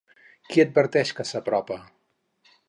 Qui adverteix que s'apropa?